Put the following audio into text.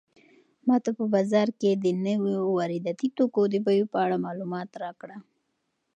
ماته په بازار کې د نويو وارداتي توکو د بیو په اړه معلومات راکړه.